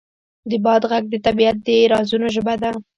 د باد غږ د طبیعت د رازونو ژبه ده.